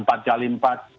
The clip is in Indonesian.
berpenggerak empat kali empat